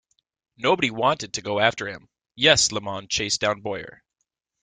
Nobody wanted to go after him...Yes, LeMond chased down Boyer.